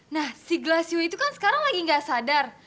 nah si glassiu itu kan sekarang lagi gak sadar